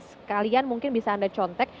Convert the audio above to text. sekalian mungkin bisa anda contek